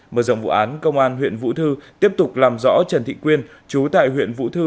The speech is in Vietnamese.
mở rộng vụ án công an huyện vũ thư tiếp tục làm rõ trần thị quyên chú tại huyện vũ thư